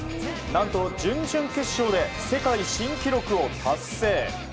準々決勝で世界新記録を達成。